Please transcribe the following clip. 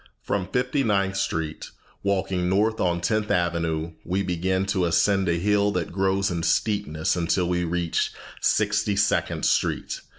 From Fifty ninth Street, walking north on Tenth Avenue, we begin to ascend a hill that grows in steepness until we reach Sixty second Street.